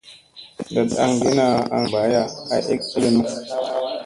Ndat angina aŋ mbaya ay ege mu.